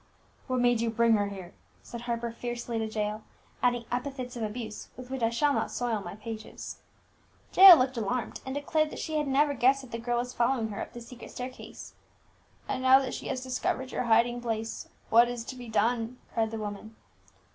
"What made you bring her here?" said Harper fiercely to Jael, adding epithets of abuse with which I shall not soil my pages. Jael looked alarmed, and declared that she had never guessed that the girl was following her up the secret staircase. "And now that she has discovered your hiding place, what is to be done?" cried the woman.